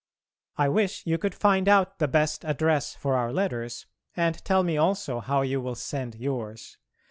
I wish you could find out the best address for our letters and tell me also how you will send yours.